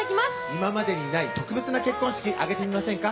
今までにない特別な結婚式挙げてみませんか？